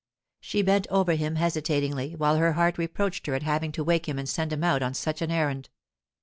She bent over him hesitatingly, while her heart reproached her at having to wake him and send him out on such an errand.